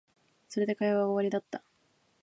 それで会話は終わりだった